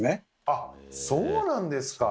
あそうなんですか！